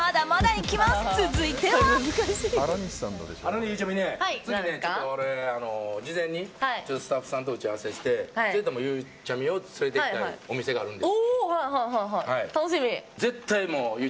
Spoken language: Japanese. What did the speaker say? ゆうちゃみね、事前にスタッフさんと打ち合わせをしてゆうちゃみを連れていきたいお店があるんで。